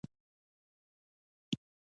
ایا زه سبا راشم؟